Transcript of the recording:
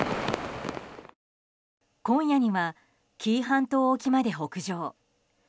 今夜には紀伊半島沖まで北上。